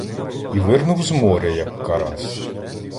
І вирнув з моря, як карась.